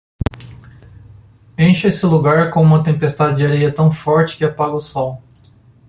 Encha este lugar com uma tempestade de areia tão forte que apaga o sol.